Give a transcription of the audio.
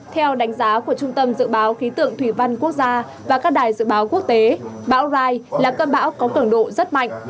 theo đánh giá của trung tâm dự báo khí tượng thủy văn quốc gia và các đài dự báo quốc tế bão rai là cơn bão có cường độ rất mạnh